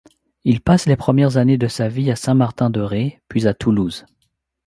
Il passe les premières années de sa vie à Saint-Martin-de-Ré, puis à Toulouse.